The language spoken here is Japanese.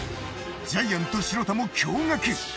ジャイアント白田も驚がく。